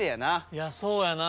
いやそうやな。